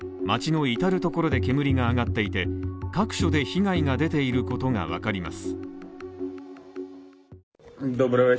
町の至る所で煙が上がっていて各所で被害が出ていることが分かります。